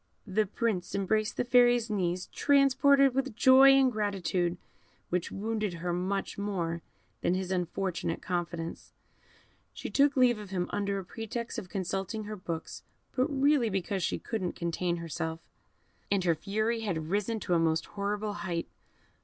The Prince embraced the Fairy's knees, transported with joy and gratitude, which wounded her much more than his unfortunate confidence; she took leave of him under a pretext of consulting her books, but really because she could not contain herself, and her fury had risen to a most horrible height.